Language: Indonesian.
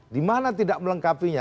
dimana tidak melengkapinya